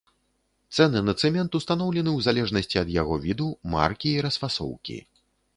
Цэны на цэмент устаноўлены ў залежнасці ад яго віду, маркі і расфасоўкі.